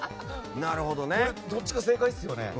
どっちかが正解ですよね。